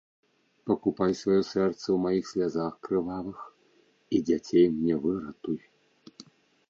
Пакупай сваё сэрца ў маіх слязах крывавых і дзяцей мне выратуй!